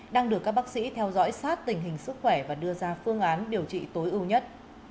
đang được các bác sĩ theo dõi sát tình hình sức khỏe và đưa ra phương án điều trị tối ưu nhất